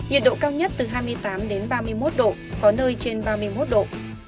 nhiệt độ cao nhất từ hai mươi tám ba mươi một độ có nơi trên ba mươi một độ